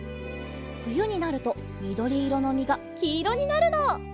ふゆになるとみどりいろのみがきいろになるの！